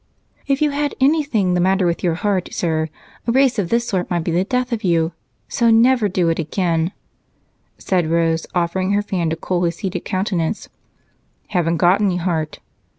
"If you had anything the matter with your heart, sir, a race of this sort might be the death of you so never do it again," said Rose, offering her fan to cool his heated countenance. "Haven't got any heart."